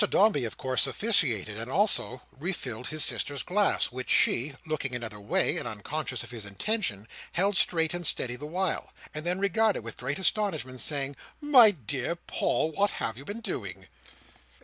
Mr Dombey of course officiated, and also refilled his sister's glass, which she (looking another way, and unconscious of his intention) held straight and steady the while, and then regarded with great astonishment, saying, "My dear Paul, what have you been doing!"